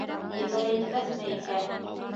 Еңеләйтмәҫме икән?